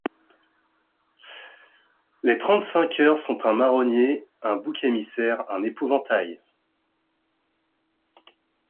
Les trente-cinq heures sont un marronnier, un bouc émissaire, un épouvantail.